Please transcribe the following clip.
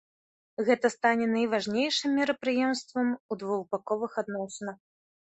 Гэта стане найважнейшым мерапрыемствам у двухбаковых адносінах.